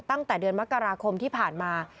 ตั้งแต่เดือนมกราคมที่ผ่านมา